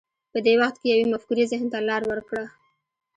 په دې وخت کې یوې مفکورې ذهن ته لار وکړه